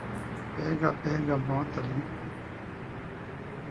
Pega a bergamota ali